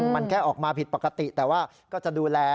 มันแค่ออกมาผิดปกติแต่ว่าก็จะดูแล